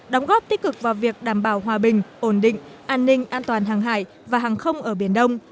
đóng góp tích cực vào việc đảm bảo hòa bình ổn định an ninh an toàn hàng hải và hàng không ở biển đông